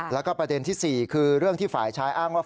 แล้วก็ประเด็นที่๔คือเรื่องที่ฝ่ายชายอ้างว่า